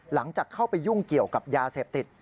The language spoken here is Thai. หลังจากเข้าไปยุ่งเกี่ยวกับยาเสพติด